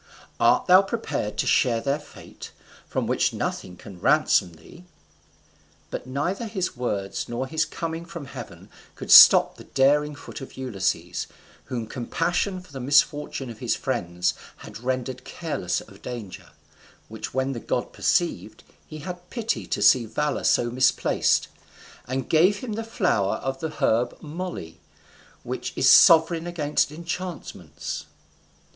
art thou prepared to share their fate, from which nothing can ransom thee?" But neither his words nor his coming from heaven could stop the daring foot of Ulysses, whom compassion for the misfortune of his friends had rendered careless of danger: which when the god perceived, he had pity to see valour so misplaced, and gave him the flower of the herb moly, which is sovereign against enchantments.